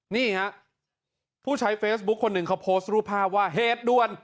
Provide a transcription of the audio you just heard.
นี่ฮะผู้ใช้เฟซบุ๊คคนหนึ่งเขาโพสต์รูปภาพว่าเหตุด่วน